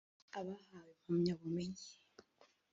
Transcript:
abahawe impamyabumenyi